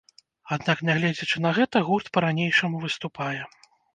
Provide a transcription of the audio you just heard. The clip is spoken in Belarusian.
Аднак нягледзячы на гэта гурт па-ранейшаму выступае.